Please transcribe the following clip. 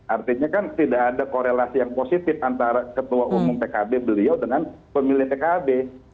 artinya kan tidak ada korelasi yang positif antara ketua umum pkb beliau dengan pemilih pkb